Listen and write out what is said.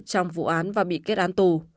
trong vụ án và bị kết án tù